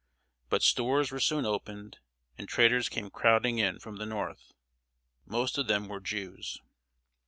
But stores were soon opened, and traders came crowding in from the North. Most of them were Jews.